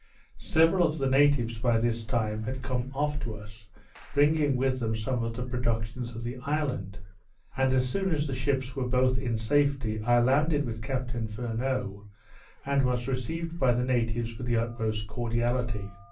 Several of the natives, by this time, had come off to us, bringing with them some of the productions of the island; and as soon as the ships were both in safety, I landed with Captain Furneaux, and was received by the natives with the utmost cordiality.